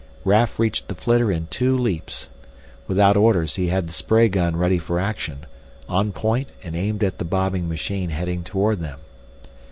Raf reached the flitter in two leaps. Without orders he had the spray gun ready for action, on point and aimed at the bobbing machine heading toward them.